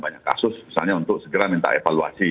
banyak kasus misalnya untuk segera minta evaluasi